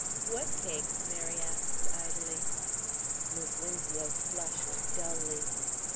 "What cakes?" Mary asked idly. Mis' Winslow flushed dully.